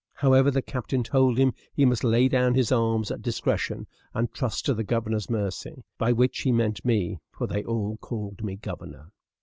However, the captain told him he must lay down his arms at discretion, and trust to the governor's mercy: by which he meant me, for they all called me governor.